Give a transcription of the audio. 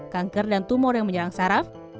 kanker dan tumor yang menyerang saraf